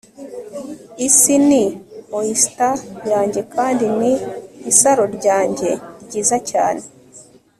Isi ni oyster yanjye kandi ni isaro ryanjye ryiza cyane